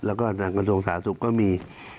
และก็คลังกันโทรงสาสุขก็มี